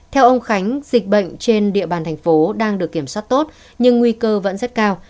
theo ông khánh dịch bệnh trên địa bàn thành phố đang được kiểm soát tốt nhưng nguy cơ vẫn rất cao